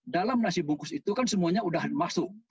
dalam nasi bungkus itu kan semuanya sudah masuk